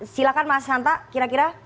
silakan mas santa kira kira